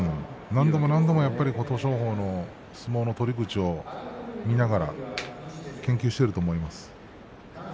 何度も何度も琴勝峰の相撲の取り口を見ながら研究していると思います。